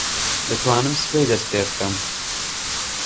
دەتوانم سبەی دەست پێ بکەم.